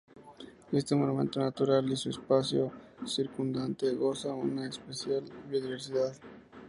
Este Monumento Natural y su espacio circundante, goza de una especial biodiversidad.